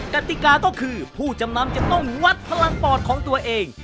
กติกาก็คือผู้จำนำจะต้องวัดพลังปอดของตัวเอง